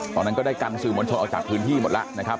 ตอนนั้นก็ได้กันสื่อมวลชนออกจากพื้นที่หมดแล้วนะครับ